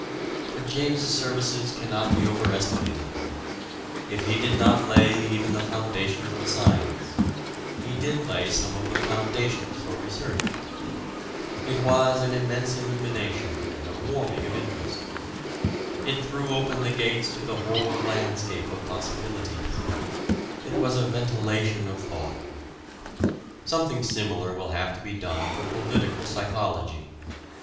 But James's services cannot be overestimated: if he did not lay even the foundations of a science, he did lay some of the foundations for research. It was an immense illumination and a warming of interest. It threw open the gates to the whole landscape of possibilities. It was a ventilation of thought. Something similar will have to be done for political psychology.